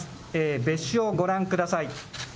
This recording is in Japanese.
別紙をご覧ください。